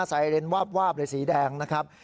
ไอเลนวาบเลยสีแดงนะครับ